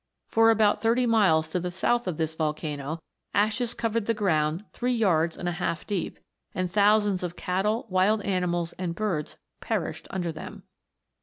For about thirty miles to the south of this volcano, ashes covered the ground three yards and a half deep ; and thousands of cattle, wild animals, and birds, perished under them.